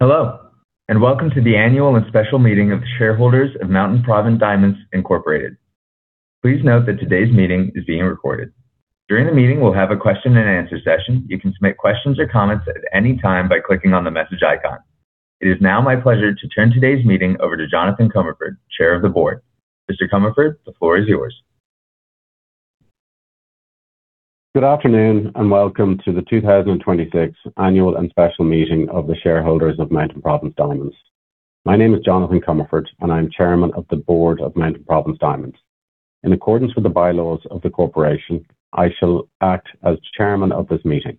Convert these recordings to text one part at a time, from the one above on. Hello, welcome to the Annual and Special Meeting of the Shareholders of Mountain Province Diamonds Inc. Please note that today's meeting is being recorded. During the meeting, we'll have a question and answer session. You can submit questions or comments at any time by clicking on the message icon. It is now my pleasure to turn today's meeting over to Jonathan Comerford, Chair of the Board. Mr. Comerford, the floor is yours. Good afternoon, welcome to the 2026 Annual and Special Meeting of the Shareholders of Mountain Province Diamonds. My name is Jonathan Comerford, and I'm Chairman of the Board of Mountain Province Diamonds. In accordance with the bylaws of the corporation, I shall act as chairman of this meeting.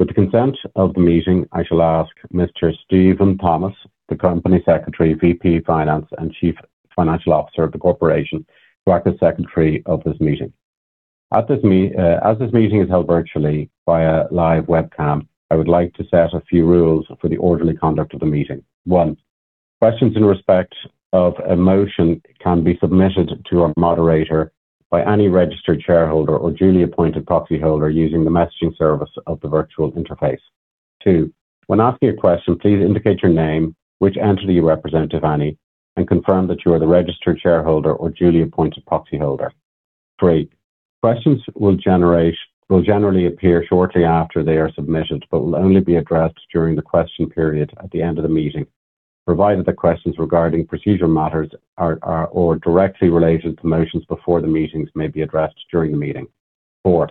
With the consent of the meeting, I shall ask Mr. Steven Thomas, the Company Secretary, VP Finance, and Chief Financial Officer of the corporation, to act as Secretary of this meeting. As this meeting is held virtually via live webcam, I would like to set a few rules for the orderly conduct of the meeting. One. Questions in respect of a motion can be submitted to our moderator by any registered shareholder or duly appointed proxyholder using the messaging service of the virtual interface. Two. When asking a question, please indicate your name, which entity you represent, if any, and confirm that you are the registered shareholder or duly appointed proxyholder. Three. Questions will generally appear shortly after they are submitted but will only be addressed during the question period at the end of the meeting, provided the questions regarding procedural matters or directly related to motions before the meetings may be addressed during the meeting. Four,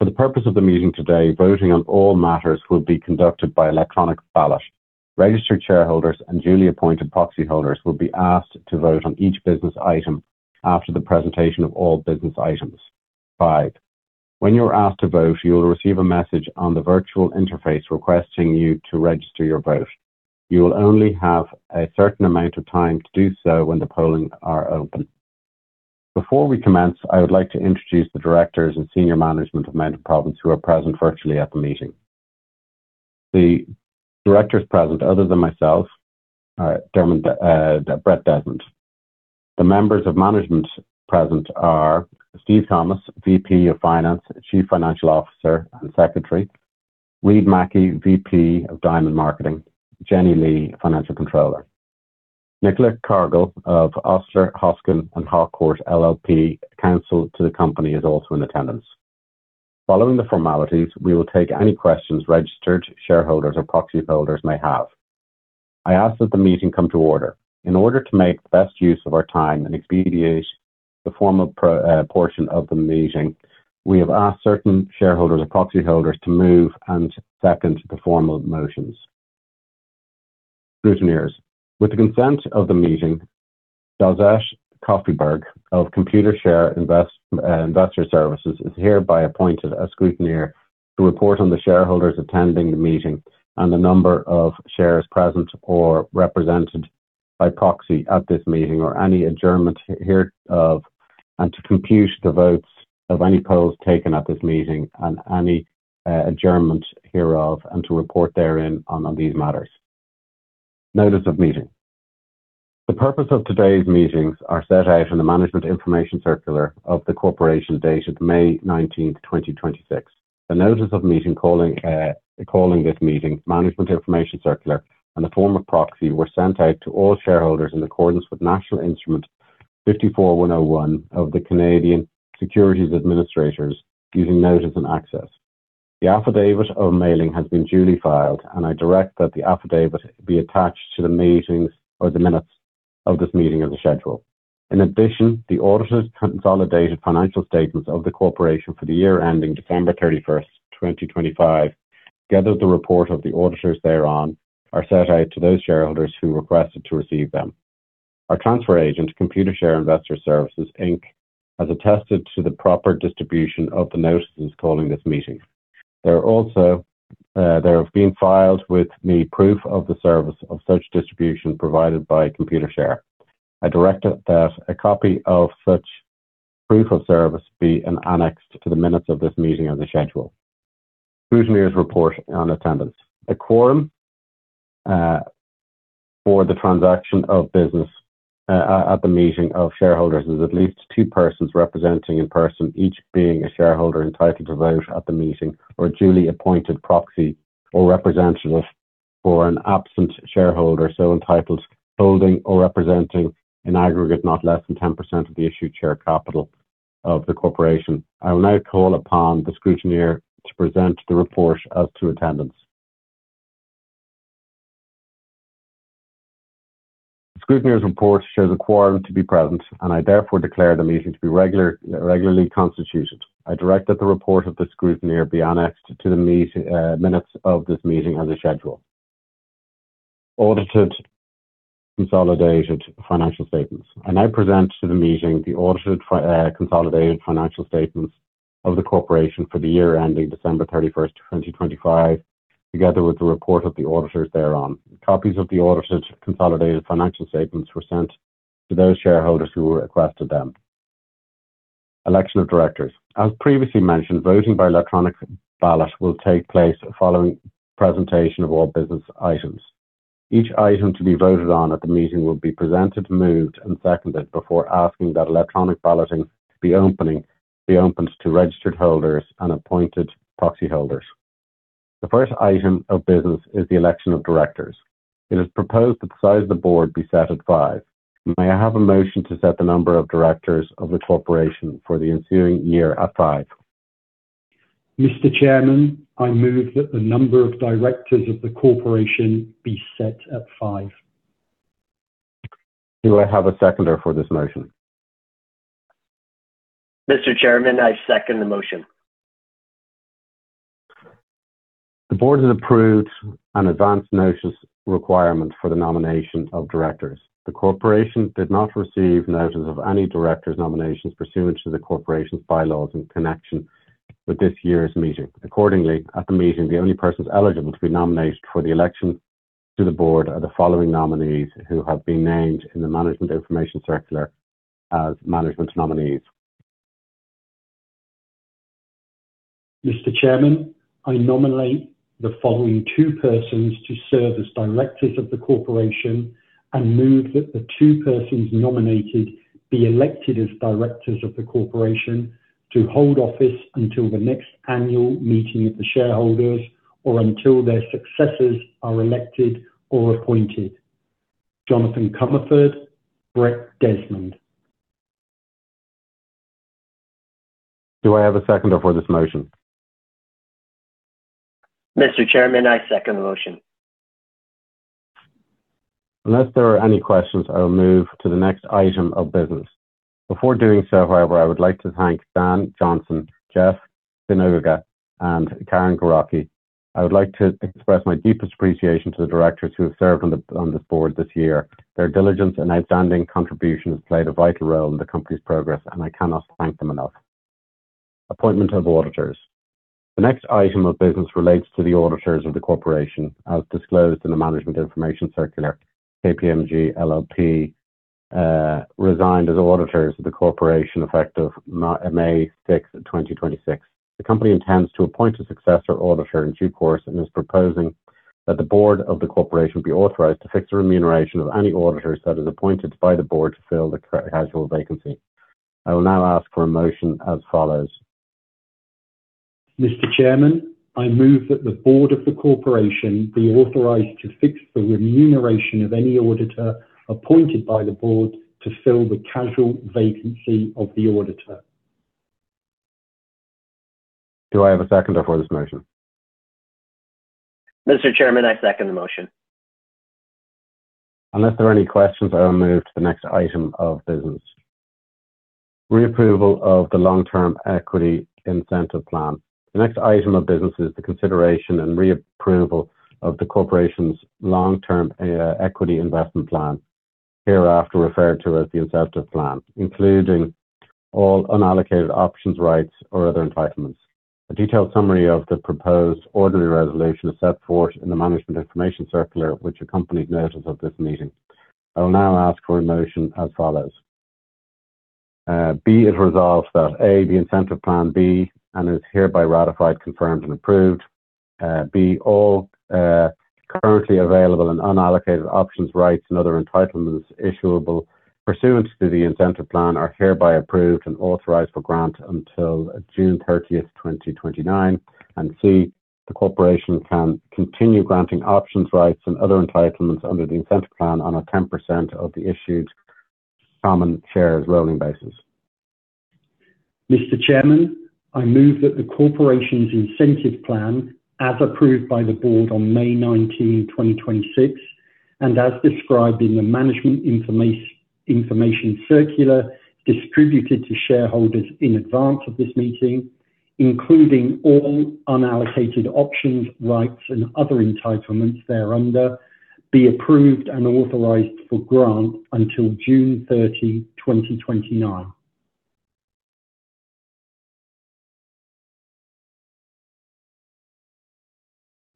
for the purpose of the meeting today, voting on all matters will be conducted by electronic ballot. Registered shareholders and duly appointed proxyholders will be asked to vote on each business item after the presentation of all business items. Five. When you're asked to vote, you will receive a message on the virtual interface requesting you to register your vote. You will only have a certain amount of time to do so when the polling are open. Before we commence, I would like to introduce the directors and senior management of Mountain Province who are present virtually at the meeting. The directors present, other than myself, are Brett Desmond. The members of management present are Steven Thomas, VP of Finance, Chief Financial Officer, and Secretary. Reid Mackie, VP of Diamond Marketing. Jennie Ly, Financial Controller. Nicole Cargill of Osler, Hoskin & Harcourt LLP, counsel to the company, is also in attendance. Following the formalities, we will take any questions registered shareholders or proxyholders may have. I ask that the meeting come to order. In order to make the best use of our time and expedite the formal portion of the meeting, we have asked certain shareholders or proxyholders to move and second the formal motions. Scrutineers. With the consent of the meeting, Daliah Koffijberg of Computershare Investor Services is hereby appointed as scrutineer to report on the shareholders attending the meeting and the number of shares present or represented by proxy at this meeting or any adjournment hereof, and to compute the votes of any polls taken at this meeting and any adjournment hereof and to report therein on these matters. Notice of meeting. The purpose of today's meetings are set out in the management information circular of the corporation dated May 19th, 2026. The notice of meeting calling this meeting, management information circular, and the form of proxy were sent out to all shareholders in accordance with National Instrument 54-101 of the Canadian Securities Administrators, giving notice and access. The affidavit of mailing has been duly filed. I direct that the affidavit be attached to the meetings or the minutes of this meeting as a schedule. In addition, the auditor's consolidated financial statements of the corporation for the year ending December 31st, 2025, gathered the report of the auditors thereon, are set out to those shareholders who requested to receive them. Our transfer agent, Computershare Investor Services Inc., has attested to the proper distribution of the notices calling this meeting. There have been filed with me proof of the service of such distribution provided by Computershare. I direct that a copy of such proof of service be annexed to the minutes of this meeting as a schedule. Scrutineer's report on attendance. A quorum for the transaction of business at the meeting of shareholders is at least two persons representing a person, each being a shareholder entitled to vote at the meeting or a duly appointed proxy or representative for an absent shareholder so entitled, holding or representing an aggregate not less than 10% of the issued share capital of the corporation. I will now call upon the scrutineer to present the report as to attendance. Scrutineer's report shows a quorum to be present. I therefore declare the meeting to be regularly constituted. I direct that the report of the scrutineer be annexed to the minutes of this meeting as a schedule. Audited consolidated financial statements. I now present to the meeting the audited consolidated financial statements of the corporation for the year ending December 31st, 2025, together with the report of the auditors thereon. Copies of the audited consolidated financial statements were sent to those shareholders who requested them. Election of directors. As previously mentioned, voting by electronic ballot will take place following presentation of all business items. Each item to be voted on at the meeting will be presented, moved, and seconded before asking that electronic balloting be opened to registered holders and appointed proxy holders. The first item of business is the election of directors. It is proposed that the size of the board be set at five. May I have a motion to set the number of directors of the corporation for the ensuing year at five? Mr. Chairman, I move that the number of directors of the corporation be set at five. Do I have a seconder for this motion? Mr. Chairman, I second the motion. The board has approved an advance notice requirement for the nomination of directors. The corporation did not receive notice of any directors' nominations pursuant to the corporation's bylaws in connection with this year's meeting. Accordingly, at the meeting, the only persons eligible to be nominated for the election to the board are the following nominees who have been named in the management information circular as management nominees. Mr. Chairman, I nominate the following two persons to serve as directors of the corporation and move that the two persons nominated be elected as directors of the corporation to hold office until the next annual meeting of the shareholders or until their successors are elected or appointed: Jonathan Comerford, Brett Desmond. Do I have a seconder for this motion? Mr. Chairman, I second the motion. Unless there are any questions, I will move to the next item of business. Before doing so, however, I would like to thank Dan Johnson, Jeff Swinoga, and Karen Goracke. I would like to express my deepest appreciation to the directors who have served on this board this year. Their diligence and outstanding contribution has played a vital role in the company's progress, and I cannot thank them enough. Appointment of auditors. The next item of business relates to the auditors of the corporation, as disclosed in the management information circular. KPMG LLP resigned as auditors of the corporation effective May 6th, 2026. The company intends to appoint a successor auditor in due course and is proposing that the Board of the Corporation be authorized to fix the remuneration of any auditor that is appointed by the board to fill the casual vacancy. I will now ask for a motion as follows. Mr. Chairman, I move that the Board of the corporation be authorized to fix the remuneration of any auditor appointed by the board to fill the casual vacancy of the auditor. Do I have a seconder for this motion? Mr. Chairman, I second the motion. Unless there are any questions, I will move to the next item of business. Reapproval of the Long-Term Equity Incentive Plan. The next item of business is the consideration and reapproval of the corporation's Long-Term Equity Incentive Plan, hereafter referred to as the Incentive Plan, including all unallocated options, rights, or other entitlements. A detailed summary of the proposed ordinary resolution is set forth in the management information circular, which accompanied notice of this meeting. I will now ask for a motion as follows. Be it resolved that, A, the Incentive Plan be and is hereby ratified, confirmed, and approved. B, all currently available and unallocated options, rights, and other entitlements issuable pursuant to the Incentive Plan are hereby approved and authorized for grant until June 30, 2029. C, the corporation can continue granting options, rights, and other entitlements under the Incentive Plan on a 10% of the issued common shares rolling basis. Mr. Chairman, I move that the corporation's Incentive Plan, as approved by the board on May 19, 2026, and as described in the management information circular distributed to shareholders in advance of this meeting, including all unallocated options, rights, and other entitlements thereunder, be approved and authorized for grant until June 30, 2029.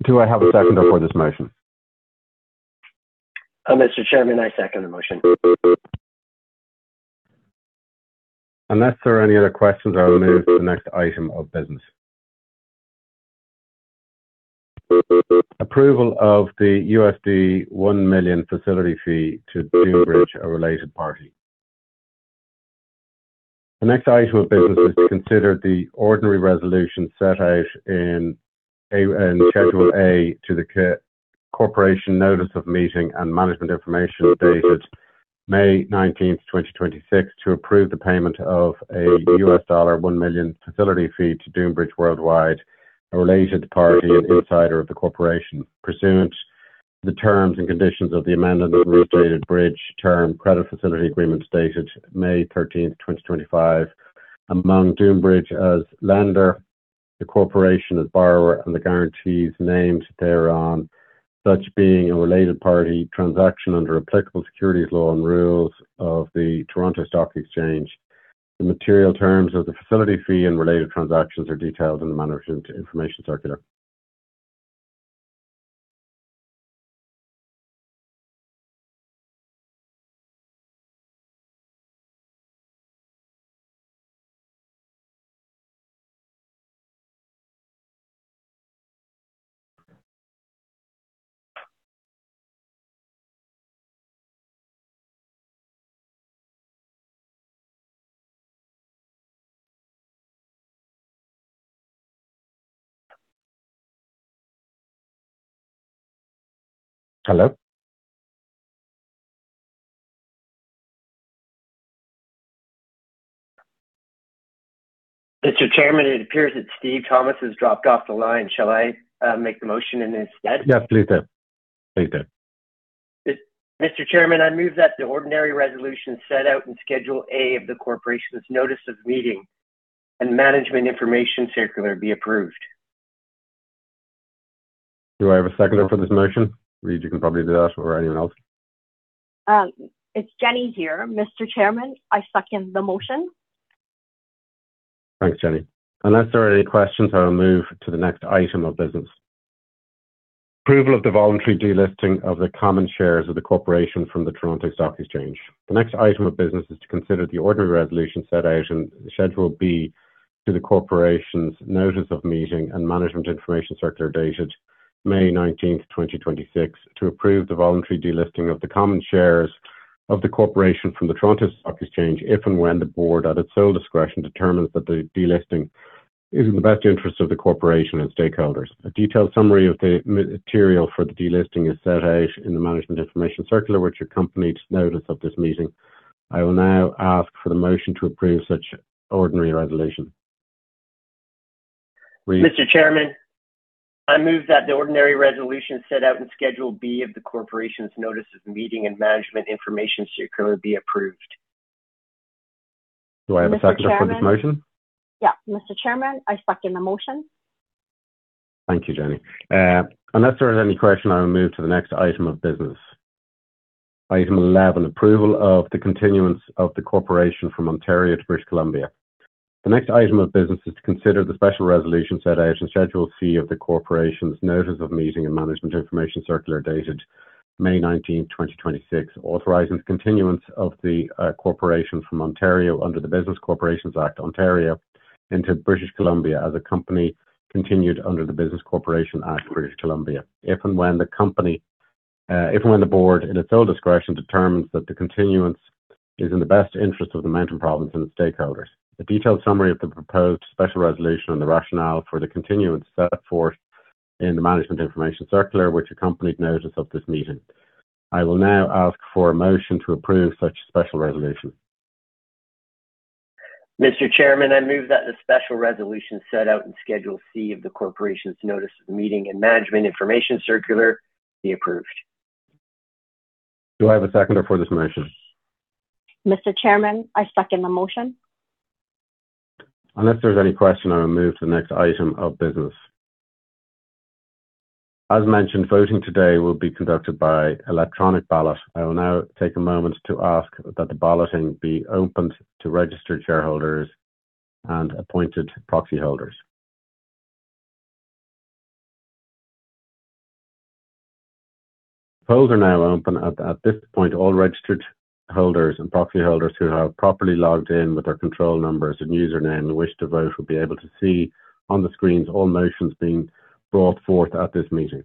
Do I have a seconder for this motion? Mr. Chairman, I second the motion. Unless there are any other questions, I will move to the next item of business. Approval of the $1 million facility fee to Dunebridge, a related party. The next item of business is to consider the ordinary resolution set out in Schedule A to the corporation notice of meeting and management information dated May 19th, 2026 to approve the payment of a $1 million facility fee to Dunebridge Worldwide, a related party insider of the corporation, pursuant the terms and conditions of the amended and restated bridge term credit facility agreement dated May 13th, 2025, among Dunebridge as lender, the corporation as borrower, and the guarantees named thereon, such being a related party transaction under applicable securities law and rules of the Toronto Stock Exchange. The material terms of the facility fee and related transactions are detailed in the management information circular. Mr. Chairman, it appears that Steven Thomas has dropped off the line. Shall I make the motion in his stead? Yes, please do. Mr. Chairman, I move that the ordinary resolution set out in Schedule A of the corporation's notice of meeting and management information circular be approved. Do I have a seconder for this motion? Reid, you can probably do that, or anyone else. It's Jennie here, Mr. Chairman. I second the motion. Thanks, Jennie. Unless there are any questions, I will move to the next item of business. Approval of the voluntary delisting of the common shares of the corporation from the Toronto Stock Exchange. The next item of business is to consider the ordinary resolution set out in Schedule B to the corporation's notice of meeting and management information circular dated May 19th, 2026, to approve the voluntary delisting of the common shares of the corporation from the Toronto Stock Exchange if and when the board, at its sole discretion, determines that the delisting is in the best interest of the corporation and stakeholders. A detailed summary of the material for the delisting is set out in the management information circular, which accompanied notice of this meeting. I will now ask for the motion to approve such ordinary resolution. Reid. Mr. Chairman, I move that the ordinary resolution set out in Schedule B of the corporation's notice of meeting and management information circular be approved. Do I have a seconder for this motion? Yeah. Mr. Chairman, I second the motion. Thank you, Jennie. Unless there is any question, I will move to the next item of business. Item 11, approval of the continuance of the corporation from Ontario to British Columbia. The next item of business is to consider the special resolution set out in Schedule C of the corporation's notice of meeting and management information circular dated May 19th, 2026, authorizing the continuance of the corporation from Ontario under the Business Corporations Act, Ontario, into British Columbia as a company continued under the Business Corporations Act, British Columbia. If and when the board, at its sole discretion, determines that the continuance is in the best interest of Mountain Province and the stakeholders. A detailed summary of the proposed special resolution and the rationale for the continuance set forth in the management information circular, which accompanied notice of this meeting. I will now ask for a motion to approve such special resolution. Mr. Chairman, I move that the special resolution set out in Schedule C of the corporation's notice of meeting and management information circular be approved. Do I have a seconder for this motion? Mr. Chairman, I second the motion. Unless there's any question, I will move to the next item of business. As mentioned, voting today will be conducted by electronic ballot. I will now take a moment to ask that the balloting be opened to registered shareholders and appointed proxyholders. Polls are now open. At this point, all registered holders and proxyholders who have properly logged in with their control numbers and username and wish to vote will be able to see on the screens all motions being brought forth at this meeting.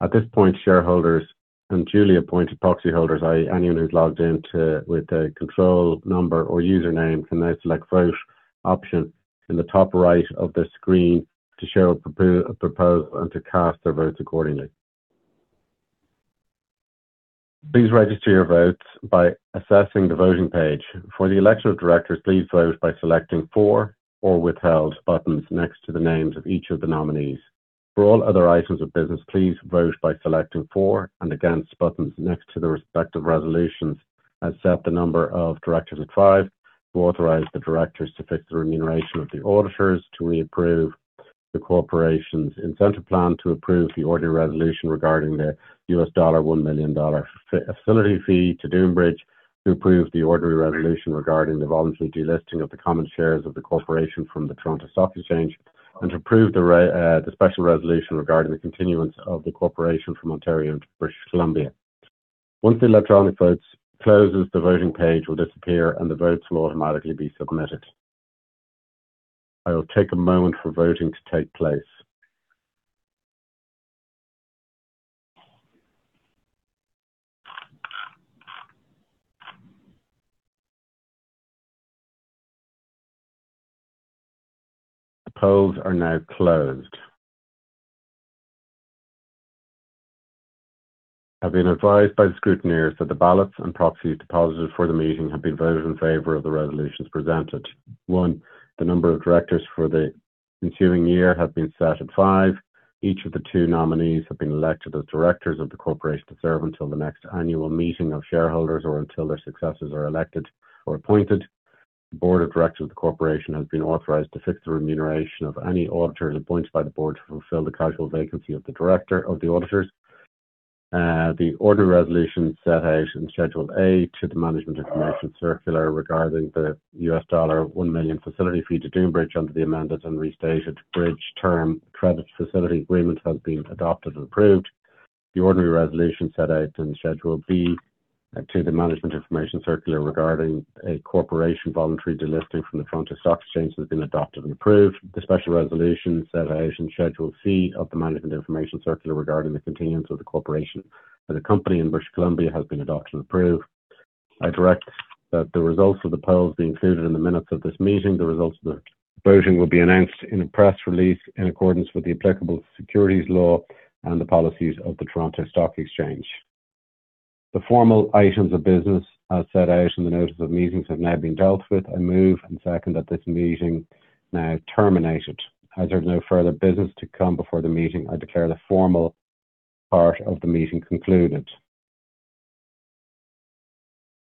At this point, shareholders and duly appointed proxyholders, i.e., anyone who's logged in with a control number or username, can now select Vote option in the top right of the screen to show a proposal and to cast their votes accordingly. Please register your votes by assessing the voting page. For the election of directors, please vote by selecting "For" or "Withheld" buttons next to the names of each of the nominees. For all other items of business, please vote by selecting "For" and "Against" buttons next to the respective resolutions as set the number of directors at five, to authorize the directors to fix the remuneration of the auditors, to reapprove the corporation's incentive plan, to approve the ordinary resolution regarding the $1 million facility fee to Dunebridge, to approve the ordinary resolution regarding the voluntary delisting of the common shares of the corporation from the Toronto Stock Exchange, and to approve the special resolution regarding the continuance of the corporation from Ontario to British Columbia. Once the electronic vote closes, the voting page will disappear, and the votes will automatically be submitted. I will take a moment for voting to take place. The polls are now closed. I have been advised by the scrutineers that the ballots and proxies deposited for the meeting have been voted in favor of the resolutions presented. One, the number of directors for the ensuing year have been set at five. Each of the two nominees have been elected as directors of the corporation to serve until the next annual meeting of shareholders or until their successors are elected or appointed. The Board of Directors of the corporation has been authorized to fix the remuneration of any auditor appointed by the board to fulfill the casual vacancy of the director of the auditors. The ordinary resolution set out in Schedule A to the management information circular regarding the $1 million facility fee to Dunebridge under the amended and restated bridge term credit facility agreement has been adopted and approved. The ordinary resolution set out in Schedule B to the management information circular regarding a corporation voluntary delisting from the Toronto Stock Exchange has been adopted and approved. The special resolution set out in Schedule C of the management information circular regarding the continuance of the corporation as a company in British Columbia has been adopted and approved. I direct that the results of the polls be included in the minutes of this meeting. The results of the voting will be announced in a press release in accordance with the applicable securities law and the policies of the Toronto Stock Exchange. The formal items of business, as set out in the notice of meetings, have now been dealt with and moved and second at this meeting now terminated. There's no further business to come before the meeting, I declare the formal part of the meeting concluded.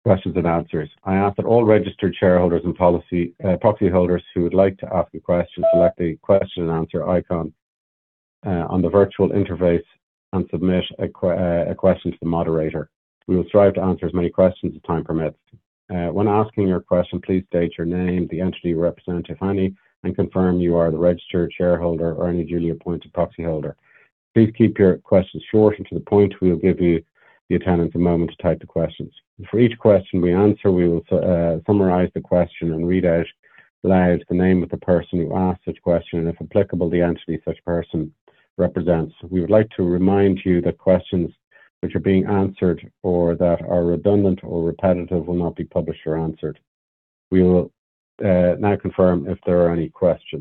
Questions and answers. I ask that all registered shareholders and proxyholders who would like to ask a question select the Question and Answer icon on the virtual interface and submit a question to the moderator. We will strive to answer as many questions as time permits. When asking your question, please state your name, the entity you represent, if any, and confirm you are the registered shareholder or any duly appointed proxyholder. Please keep your questions short and to the point. We will give the attendants a moment to type the questions. For each question we answer, we will summarize the question and read out loud the name of the person who asked such question, and if applicable, the entity such person represents. We would like to remind you that questions which are being answered or that are redundant or repetitive will not be published or answered. We will now confirm if there are any questions